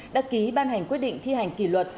đã ký ban hành quyết định thi hành kỷ luật